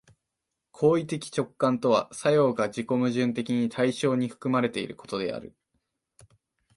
行為的直観とは作用が自己矛盾的に対象に含まれていることである。